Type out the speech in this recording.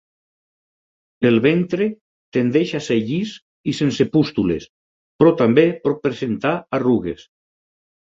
El ventre tendeix a ser llis i sense pústules, però també pot presentar arrugues.